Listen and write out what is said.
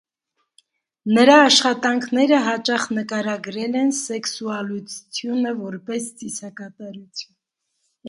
Նրա աշխատանքները հաճախ նկարագրել են սեքսուալությունը որպես ծիսակատարություն։